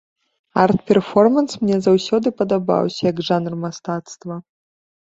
Арт-перфоманс мне заўсёды падабаўся, як жанр мастацтва.